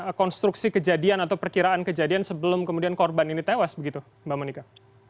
ada konstruksi kejadian atau perkiraan kejadian sebelum kemudian korban ini tewas begitu mbak monika